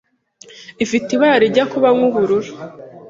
ifite ibara rijya kuba nk’ubururu,